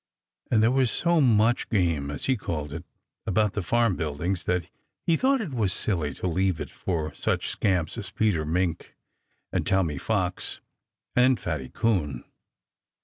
And there was so much "game," as he called it, about the farm buildings that he thought it was silly to leave it for such scamps as Peter Mink and Tommy Fox and Fatty Coon.